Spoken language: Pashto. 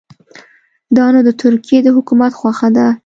دا نو د ترکیې د حکومت خوښه ده.